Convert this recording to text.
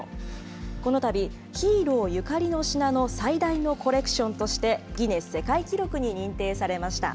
このたび、ヒーローゆかりの品の最大のコレクションとして、ギネス世界記録に認定されました。